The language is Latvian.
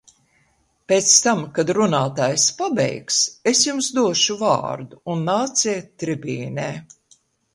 Pēc tam, kad runātājs pabeigs, es jums došu vārdu, un nāciet tribīnē!